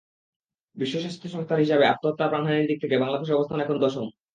বিশ্ব স্বাস্থ্য সংস্থার হিসাবে আত্মহত্যায় প্রাণহানির দিক থেকে বাংলাদেশের অবস্থান এখন দশম।